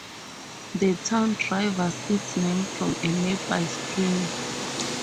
The town derives its name from a nearby spring.